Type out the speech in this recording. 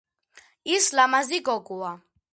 ის ლამაზი გოგოა